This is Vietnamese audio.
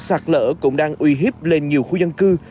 sạt lở cũng đang uy hiếp lên nhiều khu dân cư